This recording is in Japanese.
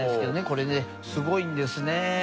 これねすごいんですね。